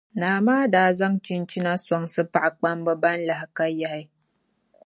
Naa maa daa zaŋ chinchina n-soŋsi paɣakpamba ban lahi ka yahi.